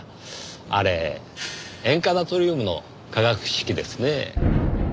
あれ塩化ナトリウムの化学式ですねぇ。